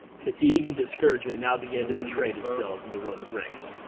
Fatigue and discouragement now began to betray themselves in the Roman ranks.